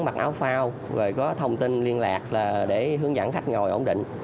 mặc áo phao rồi có thông tin liên lạc để hướng dẫn khách ngồi ổn định